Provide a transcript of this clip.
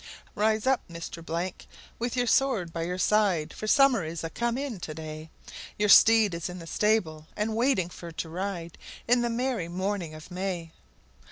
Rise up, Mr , with your sword by your side, For summer is a come in to day, Your steed is in the stable and waiting for to ride In the merry morning of May!